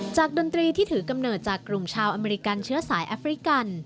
ดนตรีที่ถือกำเนิดจากกลุ่มชาวอเมริกันเชื้อสายแอฟริกัน